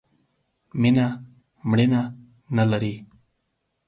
مینه ، مړینه نه لري.